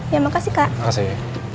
ya makasih kak makasih